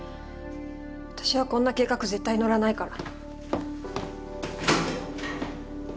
私はこんな計画絶対乗らないから。